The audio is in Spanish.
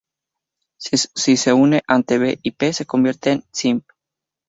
Si se une, ante "b" y "p" se convierte en "sim-".